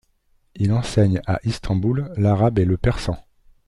Il enseigne à Istanbul l’arabe et le persan.